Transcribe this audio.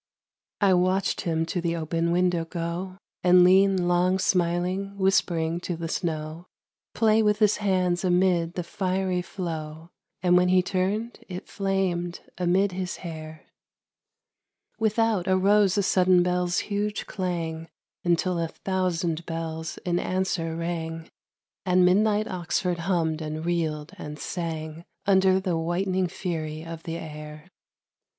I watched him to the open window go, And lean long smiling, whispering to the snow, Play with his hands amid the fiery flow And when he turned it flamed amid his hair. Without arose a sudden bell's huge clang Until a thousand bells in answer rang And midnight Oxford hummed and reeled and sang Under the whitening fury of the air.